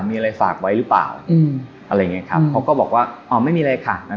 มีอะไรฝากไว้รึเปล่า